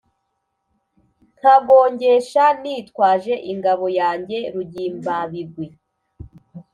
nkagongesha nitwaje ingabo yanjye rugimbabigwi